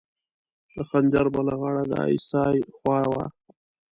د خنجر بله غاړه د ای اس ای خوا وه.